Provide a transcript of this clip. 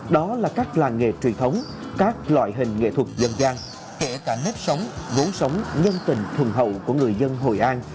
đó là các làng nghề truyền thống các loại hình nghệ thuật dân gian kể cả nếp sống vốn sống nhân tình thuần hậu của người dân hội an